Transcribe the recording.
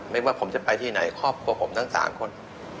ไม่ว่าผมจะไปที่ไหนครอบครัวผมทั้ง๓คน